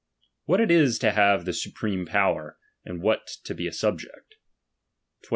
What it is to have the supreme power, and what to be a subject 12.